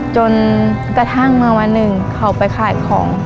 จนกระทั่งเมื่อวันหนึ่งเขาไปขายของ